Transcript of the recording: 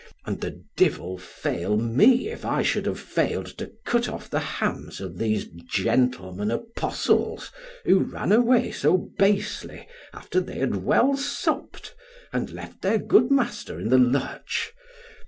And the devil fail me, if I should have failed to cut off the hams of these gentlemen apostles who ran away so basely after they had well supped, and left their good master in the lurch.